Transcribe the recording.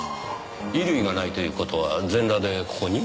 衣類がないという事は全裸でここに？